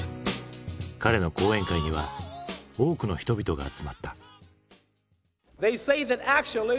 彼の講演会には多くの人々が集まった。